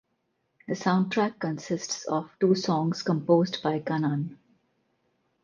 The soundtrack consists of two songs composed by Kannan.